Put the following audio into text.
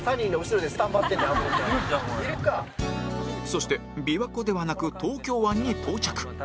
そして琵琶湖ではなく東京湾に到着